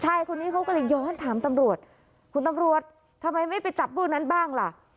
ชายคนนี้เขาก็เลยย้อนถามตำรวจคุณตำรวจทำไมไม่ไปจับลูกนั้นบ้างล่ะ